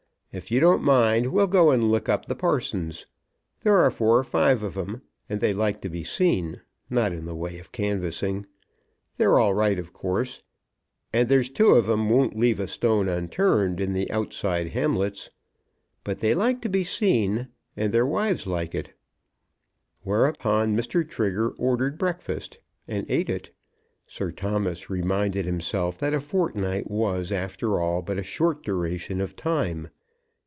If you don't mind, we'll go and look up the parsons. There are four or five of 'em, and they like to be seen; not in the way of canvassing. They're all right, of course. And there's two of 'em won't leave a stone unturned in the outside hamlets. But they like to be seen, and their wives like it." Whereupon Mr. Trigger ordered breakfast, and eat it. Sir Thomas reminded himself that a fortnight was after all but a short duration of time.